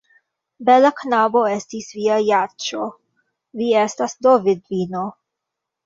Bela knabo estis via Jaĉjo; vi estas do vidvino!